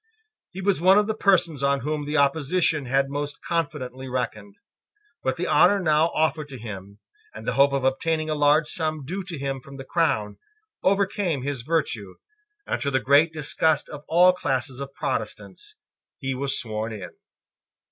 He was one of the persons on whom the opposition had most confidently reckoned. But the honour now offered to him, and the hope of obtaining a large sum due to him from the crown, overcame his virtue, and, to the great disgust of all classes of Protestants, he was sworn in.